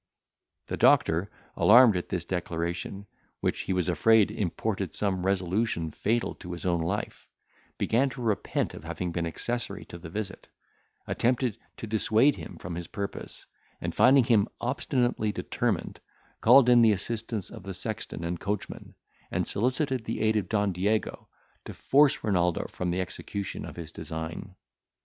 The doctor, alarmed at this declaration, which he was afraid imported some resolution fatal to his own life, began to repent of having been accessory to the visit, attempted to dissuade him from his purpose, and finding him obstinately determined, called in the assistance of the sexton and coachman, and solicited the aid of Don Diego, to force Renaldo from the execution of his design.